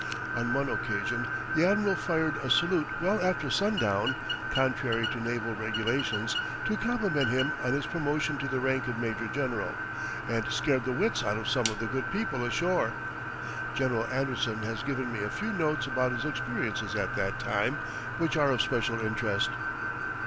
On one occasion the Admiral fired a salute well after sundown (contrary to naval regulations) to compliment him on his promotion to the rank of major general, and scared the wits out of some of the good people ashore. General Anderson has given me a few notes about his experiences at that time, which are of special interest.